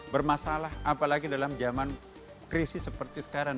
bermasalah apalagi dalam zaman krisis seperti sekarang